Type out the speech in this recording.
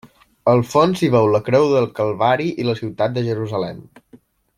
Al fons s'hi veu la creu del Calvari i la ciutat de Jerusalem.